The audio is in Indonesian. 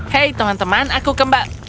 hei teman teman aku kembang